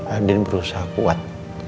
andin berusaha kuat